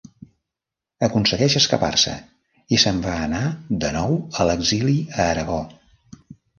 Aconsegueix escapar-se i se'n va anar de nou a exili a Aragó.